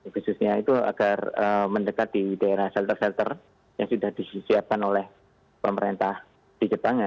khususnya itu agar mendekat di daerah shelter shelter yang sudah disiapkan oleh pemerintah di jepang ya